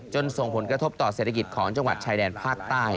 ส่งผลกระทบต่อเศรษฐกิจของจังหวัดชายแดนภาคใต้